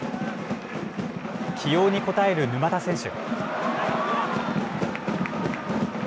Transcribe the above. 起用に応える沼田選手。